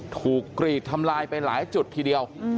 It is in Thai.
กรีดทำลายไปหลายจุดทีเดียว